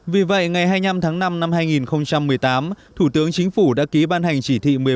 vì vậy ngày hai mươi năm tháng năm năm hai nghìn một mươi tám thủ tướng chính phủ đã ký ban hành chỉ thị một mươi ba